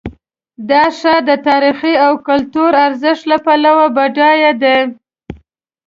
دا ښار د تاریخي او کلتوري ارزښت له پلوه بډایه دی.